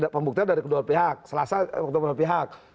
pembuktian dari kedua pihak selasa kedua pihak